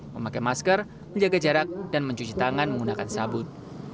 memakai masker menjaga jarak dan mencuci tangan menggunakan sabut